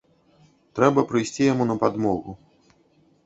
Трэба прыйсці яму на падмогу.